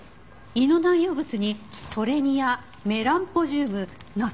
胃の内容物にトレニアメランポジュームナスタチューム？